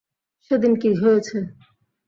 সেদিন কী হয়েছে?